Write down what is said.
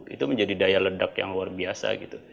itu menjadi daya ledak yang luar biasa gitu